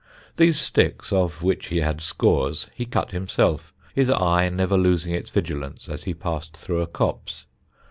These sticks, of which he had scores, he cut himself, his eye never losing its vigilance as he passed through a copse.